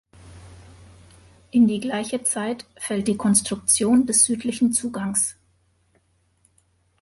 In die gleiche Zeit fällt die Konstruktion des südlichen Zugangs.